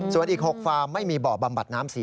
ส่วนอีก๖ฟาร์มไม่มีบ่อบำบัดน้ำสี